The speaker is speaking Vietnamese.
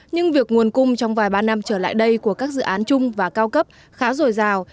nhưng việc nguồn cung trong vài ba năm trở lại đây của các dự án chung và cao cấp khá dồi dào